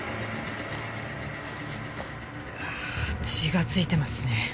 ああ血が付いてますね。